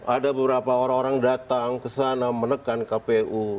ada beberapa orang orang datang kesana menekan kpu